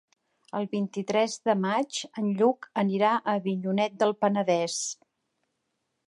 El vint-i-tres de maig en Lluc anirà a Avinyonet del Penedès.